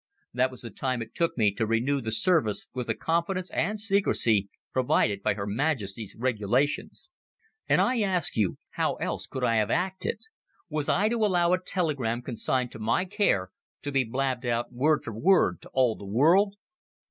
That was the time it took me to renew the service with the confidence and secrecy provided by Her Majesty's Regulations. And I ask you, how else could I have acted? Was I to allow a telegram consigned to my care to be blabbed out word for word to all the world?"